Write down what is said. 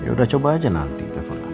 ya udah coba aja nanti telepon lagi